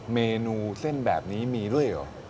เมนูเส้นแบบนี้มีด้วยเหรอ